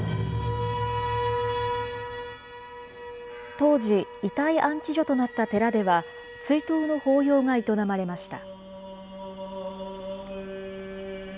当時、遺体安置所となった寺では、追悼の法要が営まれました。